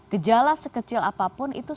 gejala sekecil apapun itu